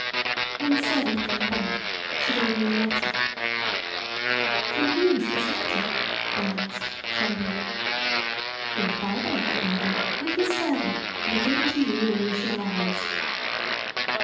When the servant came back she gave me a letter. "From whom is this letter[?]" I asked trembling. "Your father left it, madam, with his servant, to be given to you when you should rise."